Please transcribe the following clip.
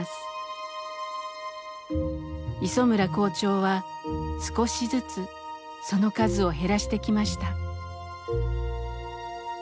磯村校長は少しずつその数を減らしてきました。